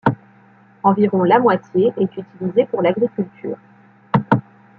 Environ la moitié est utilisée pour l'agriculture.